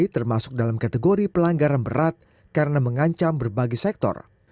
termasuk dalam kategori pelanggaran berat karena mengancam berbagai sektor